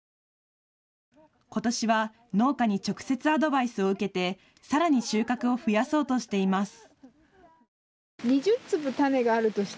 ことしは農家に直接アドバイスを受けて、さらに収穫を増やそうとしています。